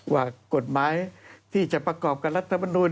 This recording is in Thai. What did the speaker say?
ว่ากฎหมายที่จะประกอบกับรัฐมนุน